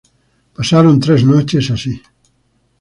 Pasaron tres noches así.